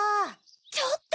ちょっと！